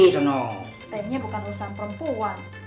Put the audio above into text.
ternyata bukan urusan perempuan